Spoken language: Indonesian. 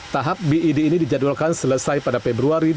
tahap bid ini dijadwalkan selesai pada februari dua ribu dua puluh